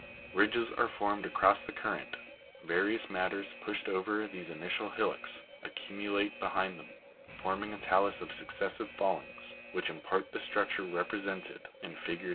Ridges are formed across the current ; various mat ters, pushed over these initial hillocks, accumulate behind them, forming a ta'lus of successive fallings, which impart the structure represented in fig.